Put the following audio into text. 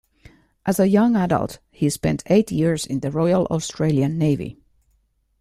As a young adult, he spent eight years in the Royal Australian Navy.